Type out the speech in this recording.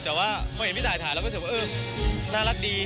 แต่ว่าพอเห็นพี่ตายถ่ายแล้วก็คิดว่าน่ารักดี